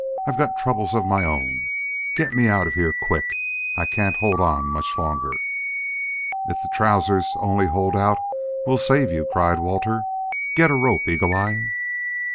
I've got troubles of my own. Get me out of here quick. I can't hold on much longer." "If the trousers only hold out, we'll save you," cried Walter. "Get a rope, Eagle eye."